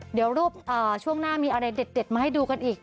เดี๋ยวรูปช่วงหน้ามีอะไรเด็ดมาให้ดูกันอีก